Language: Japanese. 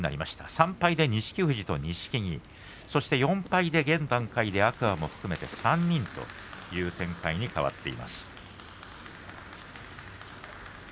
３敗で錦富士と錦木４敗で現段階で天空海も含めて３人という展開です。